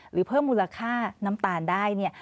หรือเพิ่มมูลค่าน้ำตาลได้เนี่ย